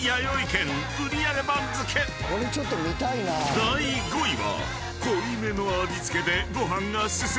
第５位は。